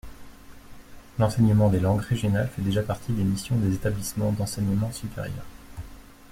L’enseignement des langues régionales fait déjà partie des missions des établissements d’enseignement supérieur.